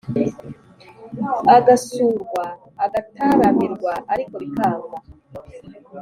Agasurwa agataramirwa ariko bikanga